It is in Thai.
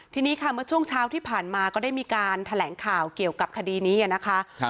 ทีนี้ค่ะเมื่อช่วงเช้าที่ผ่านมาก็ได้มีการแถลงข่าวเกี่ยวกับคดีนี้นะคะ